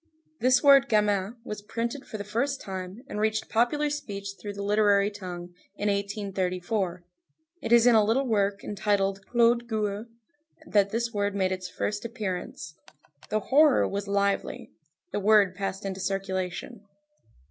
This word gamin was printed for the first time, and reached popular speech through the literary tongue, in 1834. It is in a little work entitled Claude Gueux that this word made its appearance. The horror was lively. The word passed into circulation.